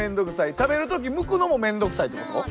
食べる時むくのも面倒くさいってこと？